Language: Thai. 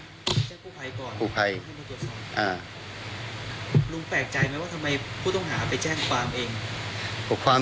แจ้งผู้ภัยก่อน